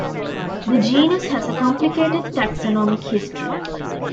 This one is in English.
The genus has a complicated taxonomic history.